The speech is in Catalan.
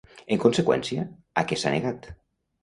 En conseqüència, a què s'ha negat?